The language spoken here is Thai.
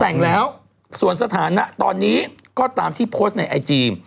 แต่งแล้วส่วนสถานะตอนนี้ก็ตามที่โพสต์ในไอจี